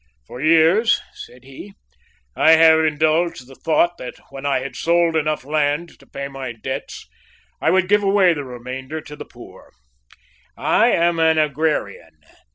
"For years," said he, "I have indulged the thought that when I had sold enough land to pay my debts, I would give away the remainder to the poor. I am an Agrarian.